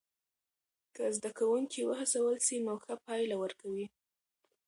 که زده کوونکي وهڅول سی نو ښه پایله ورکوي.